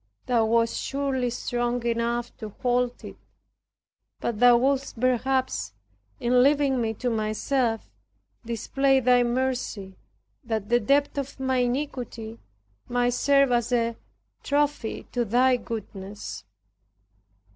Thou wast surely strong enough to hold it, but Thou wouldst perhaps, in leaving me to myself, display thy mercy that the depth of my iniquity might serve as a trophy to thy goodness.